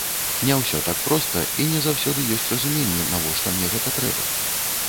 Не ўсё так проста, і не заўсёды ёсць разуменне, навошта мне гэта трэба.